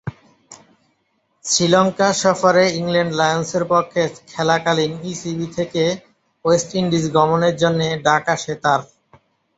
শ্রীলঙ্কা সফরে ইংল্যান্ড লায়ন্সের পক্ষে খেলাকালীন ইসিবি থেকে ওয়েস্ট ইন্ডিজ গমনের জন্যে ডাক আসে তার।